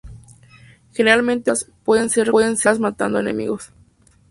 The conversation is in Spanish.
Generalmente ocultadas, pueden ser recuperadas matando enemigos.